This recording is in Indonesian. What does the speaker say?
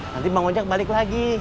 nanti pak gojak balik lagi